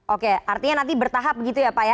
oke artinya nanti bertahap begitu ya pak ya